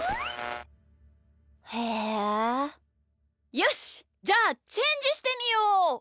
よしじゃあチェンジしてみよう！